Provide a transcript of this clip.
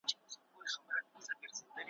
چي به ستړی سو او تګ به یې کرار سو `